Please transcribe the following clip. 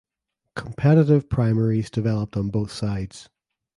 Competitive primaries developed on both sides.